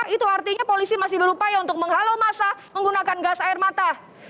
itu artinya polisi masih berupaya untuk menghalau masa menggunakan gas air mata